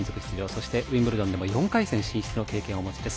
そして、ウィンブルドンでも４回戦進出の経験をお持ちです。